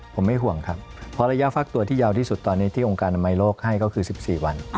ผมไม่ห่วงครับเพราะระยะฟักตัวที่ยาวที่สุดตอนนี้ที่องค์การอนามัยโลกให้ก็คือ๑๔วัน